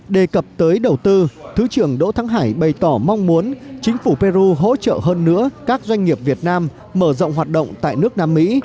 đề cập tới đầu tư thứ trưởng đỗ thắng hải bày tỏ mong muốn chính phủ peru hỗ trợ hơn nữa các doanh nghiệp việt nam mở rộng hoạt động tại nước nam mỹ